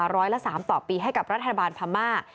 อัตรา๑๐๓ต่อปีให้กับรัฐบาลพม่า